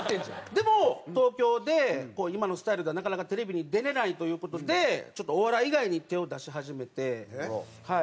でも東京で今のスタイルではなかなかテレビに出れないという事でちょっとお笑い以外に手を出し始めてはい。